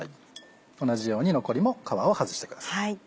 同じように残りも皮を外してください。